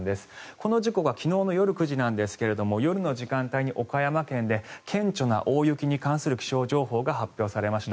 この時刻は昨日の夜９時なんですが夜の時間帯に岡山県で顕著な大雪に関する気象情報が発表されました。